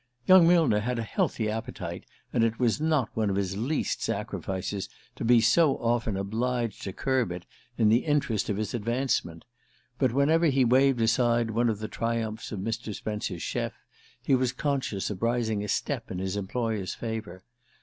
Young Millner had a healthy appetite, and it was not one of his least sacrifices to be so often obliged to curb it in the interest of his advancement; but whenever he waved aside one of the triumphs of Mr. Spence's chef he was conscious of rising a step in his employer's favour.